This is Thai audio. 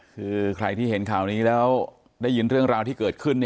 คือใครที่เห็นข่าวนี้แล้วได้ยินเรื่องราวที่เกิดขึ้น